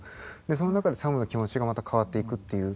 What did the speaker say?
その中でサムの気持ちがまた変わっていくっていう。